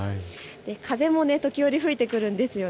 風も時折、吹いてくるんです。